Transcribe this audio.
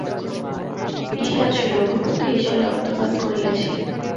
পিশাচ রঘুপতি সে রক্ত পান করিয়াছে।